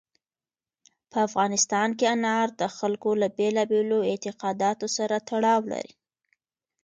په افغانستان کې انار د خلکو له بېلابېلو اعتقاداتو سره تړاو لري.